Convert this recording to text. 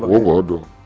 oh gak ada